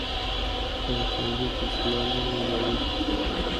هغه ښوونځی چې اصلاح لري بریالی دی.